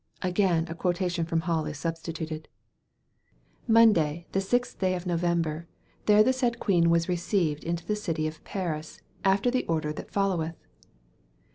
[Again a quotation from Hall is substituted]: Mondaye the .vi daye of Noueber, ther the sayde quene was receyued into the cytee of Parys after the order thar foloweth.